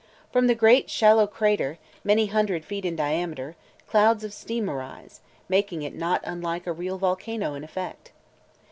From the great shallow crater, many hundred feet in diameter, clouds of steam arise, making it not unlike a real volcano in effect.